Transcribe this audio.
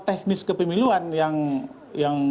teknis kepemiluan yang